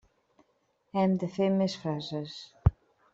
Hem de fer més frases.